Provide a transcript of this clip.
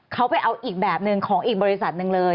เขาไปเอาอีกแบบหนึ่งของอีกบริษัทหนึ่งเลย